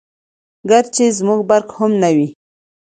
ګرچې زموږ برق هم نه وو🤗